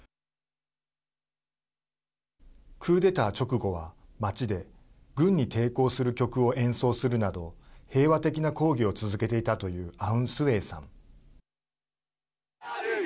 クーデター直後は街で軍に抵抗する曲を演奏するなど平和的な抗議を続けていたというアウン・スウェイさん。